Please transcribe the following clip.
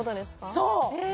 そう！